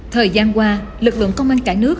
thời gian qua lực lượng công an cả nước